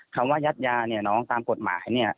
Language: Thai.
คำว่ายัดยาเนี่ยน้องตามกฎหมายเนี่ย